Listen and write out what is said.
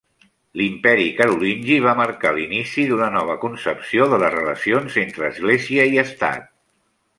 L'Imperi carolingi va marcar l'inici d'una nova concepció de les relacions entre església i estat.